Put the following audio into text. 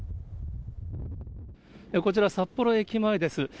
こちら、札幌駅前です。